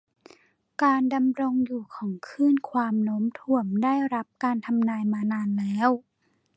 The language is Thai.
การดำรงอยู่ของคลื่นความโน้มถ่วงได้รับการทำนายมานานแล้ว